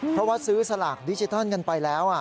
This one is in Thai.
เพราะว่าซื้อสลากดิจิทัลกันไปแล้ว